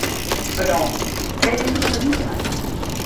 Però, ¿què és la veritat?